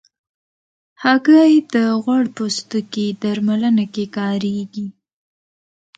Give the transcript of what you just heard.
هګۍ د غوړ پوستکي درملنه کې کارېږي.